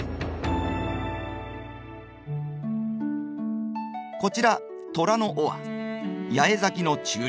こちら虎の尾は八重咲きの中輪。